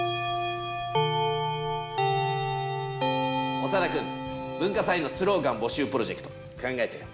オサダくん文化祭のスローガン募集プロジェクト考えたよ。